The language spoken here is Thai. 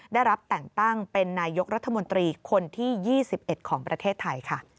ได้รับแต่งตั้งเป็นนายกรัฐมนตรีคนที่๒๑ของประเทศไทยค่ะ